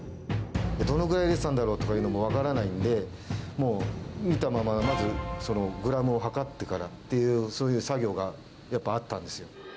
どのぐらい入れてたんだろうとかいうのも分からないんで、もう、見たまま、まずそのグラムを量ってからっていう、そういう作業がやっぱ、あったんですよ。